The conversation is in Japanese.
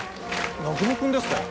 南雲君ですか？